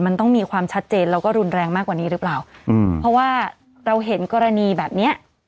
มันต้องมีความชัดเจนแล้วก็รุนแรงมากกว่านี้หรือเปล่าอืมเพราะว่าเราเห็นกรณีแบบเนี้ย